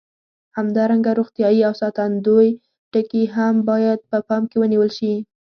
همدارنګه روغتیایي او ساتندوي ټکي هم باید په پام کې ونیول شي.